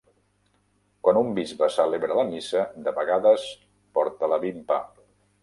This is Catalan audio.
Quan un bisbe celebra la missa, de vegades porta la vimpa.